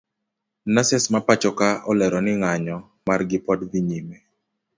nurses mapachoka olero ni nganyo margi pod dhi nyime.